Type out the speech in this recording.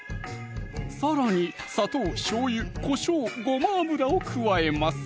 さらに砂糖・しょうゆ・こしょう・ごま油を加えます